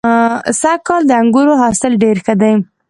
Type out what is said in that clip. سږ کال د انګورو حاصل ډېر ښه دی.